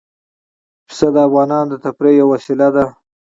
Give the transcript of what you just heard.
پسه د افغانانو د تفریح یوه وسیله ده.